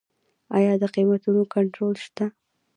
آیا د قیمتونو کنټرول شته؟